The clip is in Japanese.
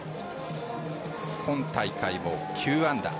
今大会も９安打。